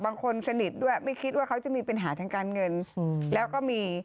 บางคนสนิทด้วยไม่คิดว่าเขาจะมีปัญหาทางการเงินแล้วก็มี